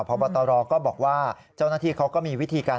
พบตรก็บอกว่าเจ้าหน้าที่เขาก็มีวิธีการ